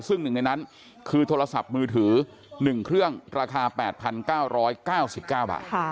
ซึ่งหนึ่งในนั้นคือโทรศัพท์มือถือ๑เครื่องราคา๘๙๙๙บาท